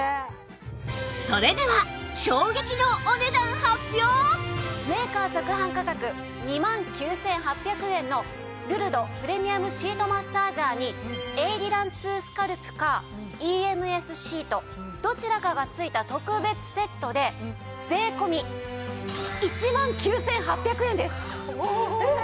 それでは衝撃のメーカー直販価格２万９８００円のルルドプレミアムシートマッサージャーにエイリラン２スカルプか ＥＭＳ シートどちらかがついた特別セットで税込１万９８００円です。ええ！